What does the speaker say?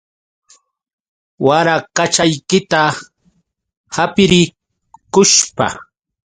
Warakachaykita hapirikushpa.